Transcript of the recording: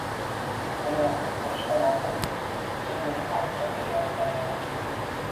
O'zini yoqib yuborishdan oldin jimgina paxta terayotgan edi.